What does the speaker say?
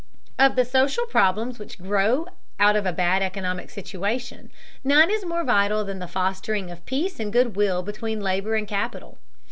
Of the social problems which grow out of a bad economic situation, none is more vital than the fostering of peace and good will between labor and capital.